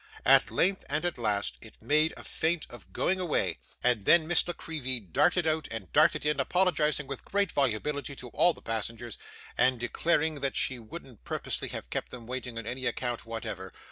At length and at last, it made a feint of going away, and then Miss La Creevy darted out, and darted in, apologising with great volubility to all the passengers, and declaring that she wouldn't purposely have kept them waiting on any account whatever.